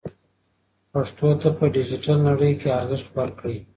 پښتو ته په ډیجیټل نړۍ کې ارزښت ورکړئ.